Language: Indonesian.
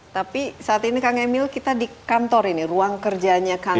tapi saat ini kang emil kita di kantor ini ruang kerjanya kang